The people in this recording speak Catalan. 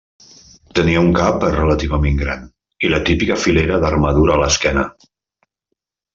Tenia un cap relativament gran, i la típica filera d'armadura a l'esquena.